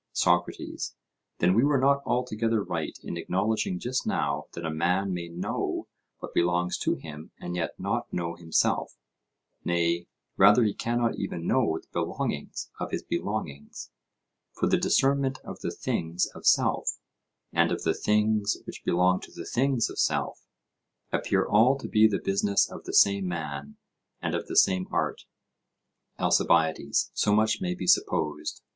SOCRATES: Then we were not altogether right in acknowledging just now that a man may know what belongs to him and yet not know himself; nay, rather he cannot even know the belongings of his belongings; for the discernment of the things of self, and of the things which belong to the things of self, appear all to be the business of the same man, and of the same art. ALCIBIADES: So much may be supposed.